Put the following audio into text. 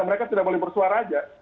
mereka tidak boleh bersuara saja